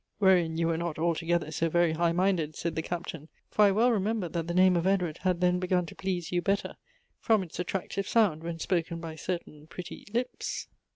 " Whei'ein you were not altogether so very high minded," said the Captain ;" for I well remember that the name of Edward had then begun to please you better, from its attractive sound when spoken by certain pretty Iqjs."